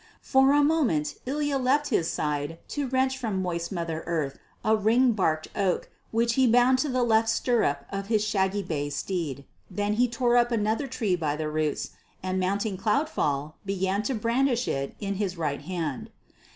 For a moment Ilya left his side to wrench from moist Mother Earth a ring barked oak which he bound to the left stirrup of his shaggy bay steed. Then he tore up another tree by the roots, and mounting Cloudfall began to brandish it in his right hand.